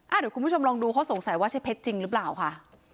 เดี๋ยวคุณผู้ชมลองดูเขาสงสัยว่าใช่เพชรจริงหรือเปล่าค่ะ